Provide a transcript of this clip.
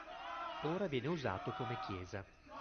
Ora viene usato come chiesa.